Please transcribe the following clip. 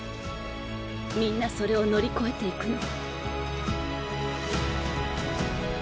みんなそれを乗り越えていくの。